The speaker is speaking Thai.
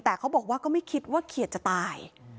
แต่เขาบอกว่าก็ไม่คิดว่าเขียดจะตาย